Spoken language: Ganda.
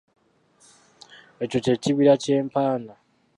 Ekyo kye kibira kye mpaana.